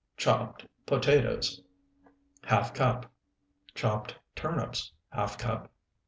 Chopped potatoes, ½ cup. Chopped turnips, ½ cup.